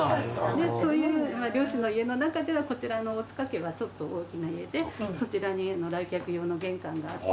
そういう漁師の家の中ではこちらの大塚家はちょっと大きな家でそちらに。